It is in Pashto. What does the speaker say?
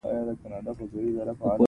پړانګ له لرې نه ښکار ویني.